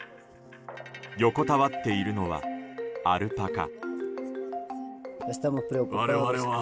横たわっているのはアルパカ。